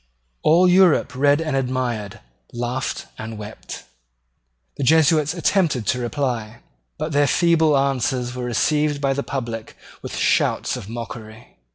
All Europe read and admired, laughed and wept. The Jesuits attempted to reply: but their feeble answers were received by the public with shouts of mockery.